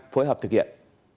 phối hợp thực hiện